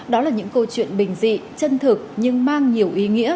đó là những câu chuyện bình dị chân thực nhưng mang nhiều ý nghĩa